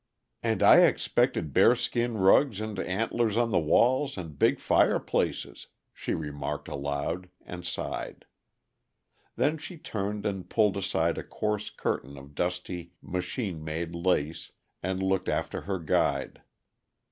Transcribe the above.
"And I expected bearskin rugs, and antlers on the walls, and big fireplaces!" she remarked aloud, and sighed. Then she turned and pulled aside a coarse curtain of dusty, machine made lace, and looked after her guide.